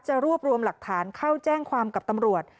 รวบรวมหลักฐานเข้าแจ้งความกับตำรวจ